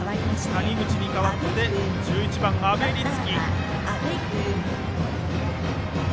谷口に代わって１１番の阿部立城。